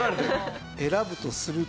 選ぶとすると。